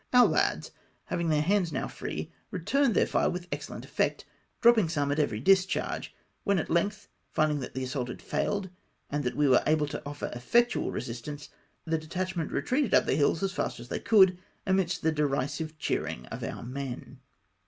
Our lads, having their hands now free, re turned their fire with excellent effect, dropping some at every discharge ; when at length, findmg that the assault had failed, and that we were able to offer effectual resistance, the detachment retreated up the hills as fast as they could, amidst the derisive cheer mg of our men.